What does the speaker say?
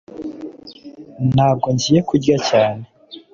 ntabwo ngiye kurya cyane